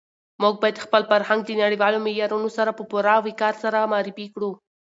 موږ باید خپل فرهنګ د نړیوالو معیارونو سره په پوره وقار سره معرفي کړو.